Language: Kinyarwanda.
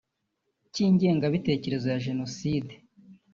cy’ingengabitekerezo ya Jenoside